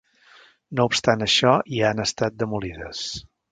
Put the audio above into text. No obstant això ja han estat demolides.